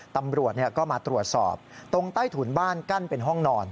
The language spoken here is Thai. ตำรวจก็มาตรวจสอบตรงใต้ถุนบ้านกั้นเป็นห้องนอน